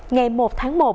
ngày một tháng một